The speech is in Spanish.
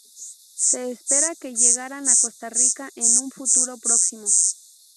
Se espera que llegaran a Costa Rica en un futuro próximo.